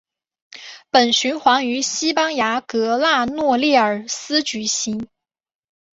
本循环于西班牙格拉诺列尔斯举行。